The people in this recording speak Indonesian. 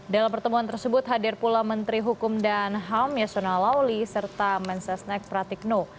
dalam pertemuan tersebut hadir pula menteri hukum dan ham yasona lawli serta mensesnek pratikno